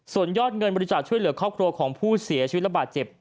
ส่วนยอดเงินบริจาคช่วยเหลือครอบครัวของผู้เสียชีวิตระบาดเจ็บ